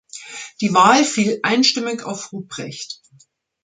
Die Wahl fiel einstimmig auf Ruprecht.